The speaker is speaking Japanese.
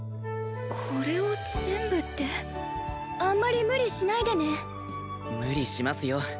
これを全部ってあんまり無理しないでね無理しますよ